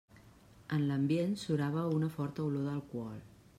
En l'ambient surava una forta olor d'alcohol.